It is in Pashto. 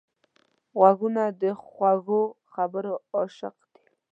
غوږونه د خوږو خبرو عاشق دي